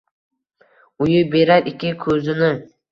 Uyib berar ikki kuzini